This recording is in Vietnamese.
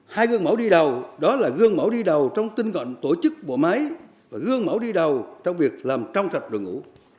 hai gương mẫu đi đầu đó là gương mẫu đi đầu trong tinh gọn tổ chức bộ máy và gương mẫu đi đầu trong việc làm trong sạch đội ngũ